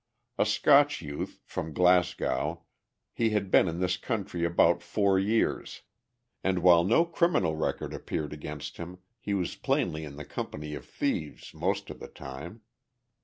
A Scotch youth, from Glasgow, he had been in this country about four years, and while no criminal record appeared against him, he was plainly in the company of thieves most of the time.